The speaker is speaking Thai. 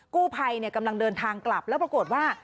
กู้ภัยกำลังเดินทางกลับแล้วปรากฏว่า